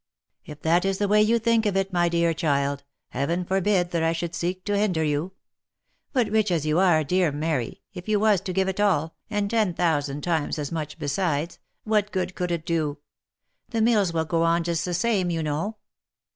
" If that is the way you think of it, my dear child, Heaven forbid that I should seek to hinder you. But rich as you are, dear Mary, if you was to give it all, and ten thousand times as much besides, what good could it do? The mills would go on just the same you know."